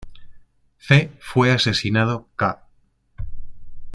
C.. Fue asesinado ca.